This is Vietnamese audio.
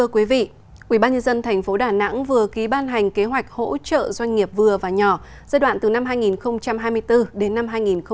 quỹ ban nhân dân tp đà nẵng vừa ký ban hành kế hoạch hỗ trợ doanh nghiệp vừa và nhỏ giai đoạn từ năm hai nghìn hai mươi bốn đến năm hai nghìn hai mươi sáu